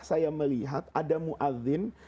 saya melihat ada mu'adhin